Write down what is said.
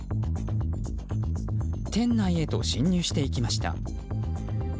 店内へと侵入していきました。